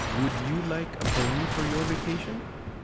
'Would you like a pony for your vacation?